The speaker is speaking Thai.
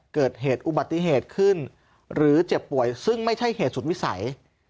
เกิดเหตุอุบัติเหตุขึ้นหรือเจ็บป่วยซึ่งไม่ใช่เหตุสุดวิสัย